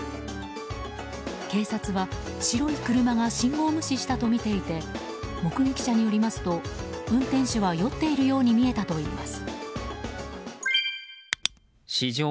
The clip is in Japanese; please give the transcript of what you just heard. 警察は白い車が信号無視したとみていて目撃者によりますと運転手は酔っているように見えたといいます。